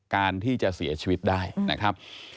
การที่จะเสียชีวิตได้นะครับ